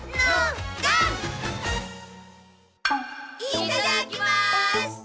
いただきます！